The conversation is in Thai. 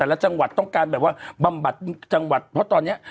ละจังหวัดต้องการแบบว่าบำบัดจังหวัดเพราะตอนนี้